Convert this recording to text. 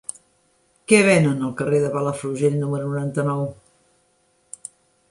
Què venen al carrer de Palafrugell número noranta-nou?